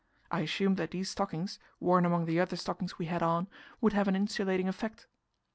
I assumed that these stockings worn among the other stockings we had on would have an insulating effect.